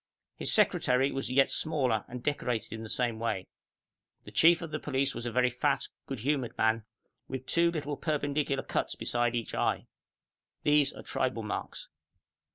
His secretary was yet smaller, and decorated in the same way. The chief of the police was a very fat, good humoured man, with two little perpendicular cuts beside each eye. These are tribal marks.